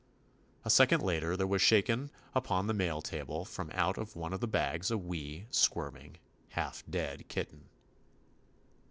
A second later there was shaken upon the mail table from out one of the bags a wee, squirming, half dead kitten.